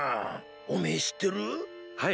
おめー知ってるゥ？